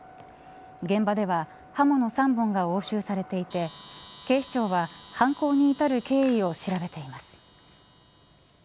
現場では、刃物３本が押収されていて警視庁は犯行に至る経緯を調べています。